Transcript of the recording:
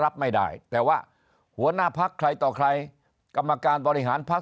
รับไม่ได้แต่ว่าหัวหน้าพักใครต่อใครกรรมการบริหารพักษ